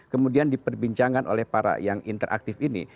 kemudian diperbincangkan oleh para yang interaktif ini